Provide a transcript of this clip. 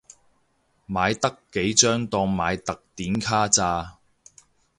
買得幾張當買特典卡咋